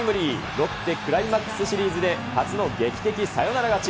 ロッテ、クライマックスシリーズで初の劇的サヨナラ勝ち。